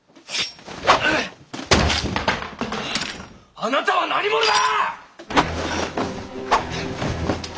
あなたは何者だ！？